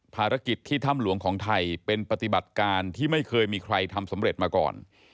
ภารกิจที่ถ้ำหลวงของไทยเป็นปฏิบัติการที่ไม่เคยมีใครทำสำเร็จมาก่อน